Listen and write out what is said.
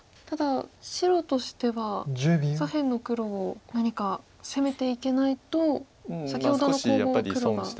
ただ白としては左辺の黒を何か攻めていけないと先ほどの攻防を黒が。